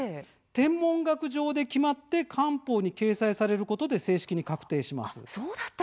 天文学上で決まって官報に掲載されることで正式に確定します。